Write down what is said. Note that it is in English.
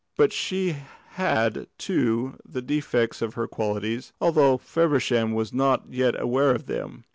But she had, too, the defects of her qualities, although Feversham was not yet aware of them.